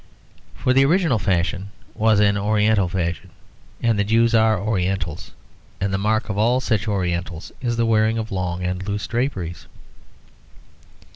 For the original fashion was an oriental fashion; and the Jews are orientals; and the mark of all such orientals is the wearing of long and loose draperies.